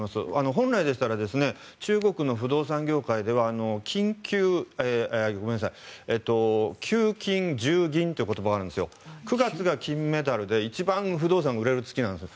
本来でしたら中国の不動産業界では九金十銀という言葉があるんです９月が金メダルで一番不動産が売れる月なんです。